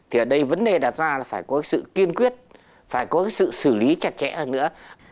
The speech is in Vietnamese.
thì ở đây vấn đề đặt ra là phải có sự kiên quyết phải có sự xử lý chặt chẽ hơn nữa